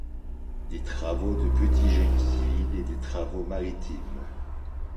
Des travaux de petit génie civil et des travaux maritimes.